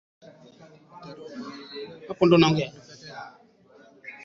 Kitabu kimewekwa juu ya meza.